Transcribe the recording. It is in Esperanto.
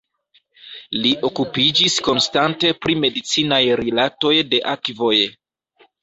Li okupiĝis konstante pri medicinaj rilatoj de akvoj.